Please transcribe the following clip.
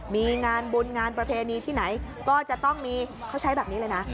มีงานบุญงานประเพณีที่ไหนก็จะต้องมีเขาใช้แบบนี้เลยนะ